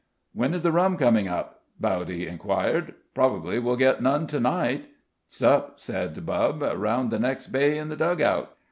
"When is the rum coming up?" Bowdy enquired. "Probably we'll get none to night." "'S'up," said Bubb, "round the next bay in the dug out."